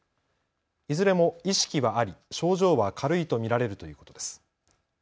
いずれも意識はあり症状は軽いと見られるということです。